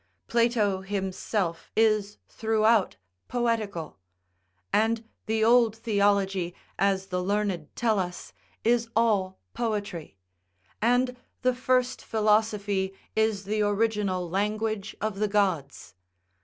Plato himself is throughout poetical; and the old theology, as the learned tell us, is all poetry; and the first philosophy is the original language of the gods.